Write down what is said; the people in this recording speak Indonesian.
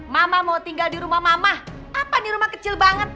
mama mau tinggal di rumah mama apa nih rumah kecil banget